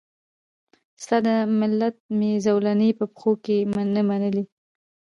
ستا د مالت مي زولنې په پښو کي نه منلې